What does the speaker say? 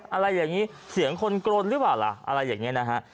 อะไรอย่างนี้เสียงคนกรนหรือเปล่าล่ะอะไรอย่างนี้นะฮะ